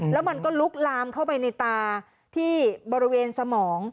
แล้วมันก็ลุกลามเข้าไปในตาที่บริเวณสมอง